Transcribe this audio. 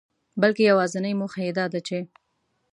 بلکي يوازنۍ موخه يې داده چي